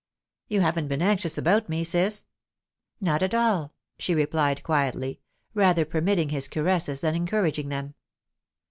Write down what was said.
"You haven't been anxious about me, Ciss?" "Not at all," she replied quietly, rather permitting his caresses than encouraging them.